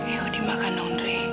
yuk dimakan dong drei